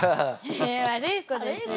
え悪い子ですよ。